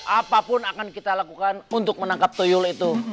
apapun akan kita lakukan untuk menangkap toyol itu